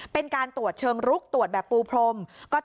เป็นการตรวจเชิงลุกตรวจแบบปูพรม